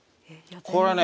これはね